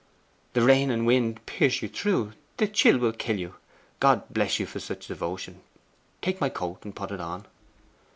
'The rain and wind pierce you through; the chill will kill you. God bless you for such devotion! Take my coat and put it on.